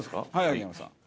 秋山さん。